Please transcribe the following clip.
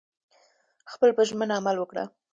خپل په ژمنه عمل وکړه